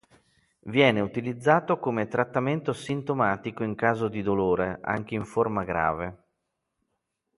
Viene utilizzato come trattamento sintomatico in caso di dolore, anche in forma grave.